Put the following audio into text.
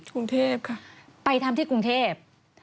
กรุงเทพค่ะไปทำที่กรุงเทพ